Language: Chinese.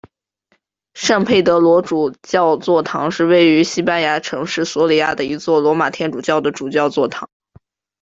圣佩德罗主教座堂是位于西班牙城市索里亚的一座罗马天主教的主教座堂。